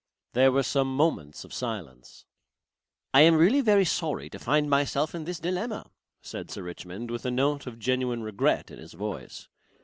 There were some moments of silence. "I am really very sorry to find myself in this dilemma," said Sir Richmond with a note of genuine regret in his voice.